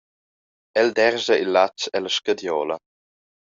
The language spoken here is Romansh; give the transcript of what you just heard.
El derscha il latg ella scadiola.